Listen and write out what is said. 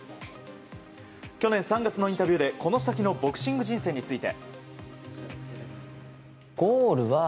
去年３月のインタビューでこの先のボクシング人生について。